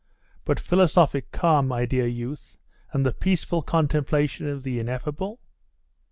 But philosophic calm, my dear youth, and the peaceful contemplation of the ineffable?